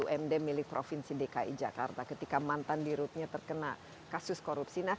bumu yang dimiliki provinsi dki jakarta ketika mantan dirutnya terkena kasus korupsi